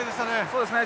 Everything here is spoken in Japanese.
そうですね。